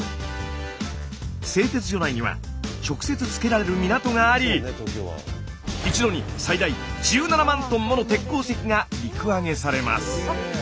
製鉄所内には直接着けられる港があり一度に最大１７万ｔもの鉄鉱石が陸揚げされます。